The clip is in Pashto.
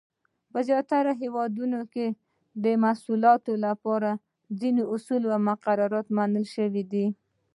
په زیاتو هېوادونو کې د محصولاتو لپاره ځینې اصول او مقررات منل شوي دي.